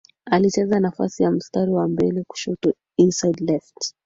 Alicheza nafasi ya mstari wa mbele kushoto Inside left